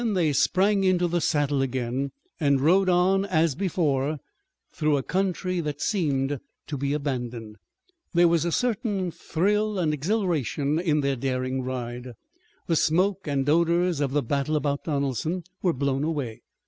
Then they sprang into the saddle again and rode on as before through a country that seemed to be abandoned. There was a certain thrill and exhilaration in their daring ride. The smoke and odors of the battle about Donelson were blown away.